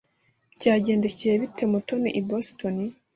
Byagendekeye bite Mutoni i Boston?